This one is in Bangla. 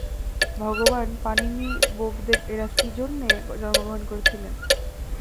ভগবান পাণিনি বোপদেব এঁরা কী জন্যে জন্মগ্রহণ করেছিলেন?